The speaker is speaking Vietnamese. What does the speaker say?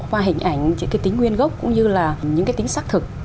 và hình ảnh những cái tính nguyên gốc cũng như là những cái tính xác thực